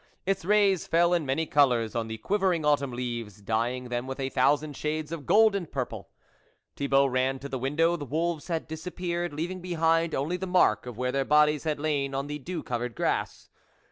Its rays fell in many colours on the quivering autumn leaves, dyeing them with a thou sand shades of gold and purple. Thibault ran to the window, the wolves had disappeared, leaving behind only the mark of where their bodies had lain on the dew covered grass.